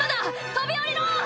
飛び降りろ！」